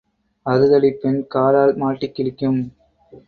அறுதலி பெண் காலால் மாட்டிக் கிழிக்கும்.